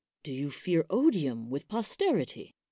Do you fear odium with posterity?